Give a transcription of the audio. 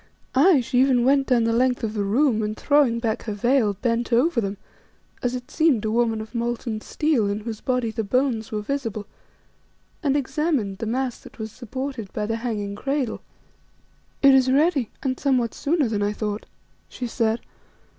Aye, she even went down the length of the room and, throwing back her veil, bent over them, as it seemed a woman of molten steel in whose body the bones were visible, and examined the mass that was supported by the hanging cradle. "It is ready and somewhat sooner than I thought," she said.